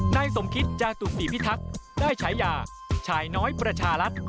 นายสมคิตจาตุศีพิทักษ์ได้ฉายาชายน้อยประชารัฐ